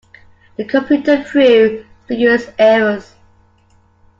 The computer threw spurious errors.